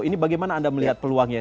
ini bagaimana anda melihat peluangnya